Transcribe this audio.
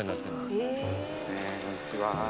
こんにちは。